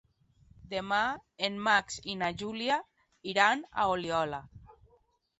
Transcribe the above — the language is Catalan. Demà en Max i na Júlia iran a Oliola.